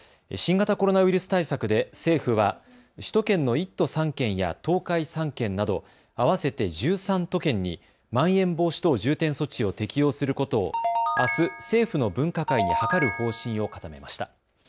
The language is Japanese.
新型コロナウイルス対策で政府は首都圏の１都３県や東海３県など合わせて１３都県にまん延防止等重点措置を適用することをあす、政府の分科会に諮る方針を固めました。